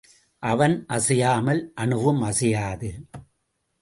அவன் அசையாமல் அனுவும் அசையாது.